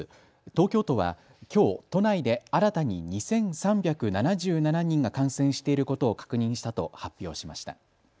東京都はきょう都内で新たに２３７７人が感染していることを確認したと発表しました。